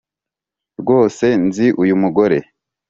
rwose nzi uyu mugore